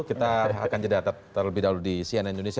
kita akan jadi terlebih dahulu di cnn indonesia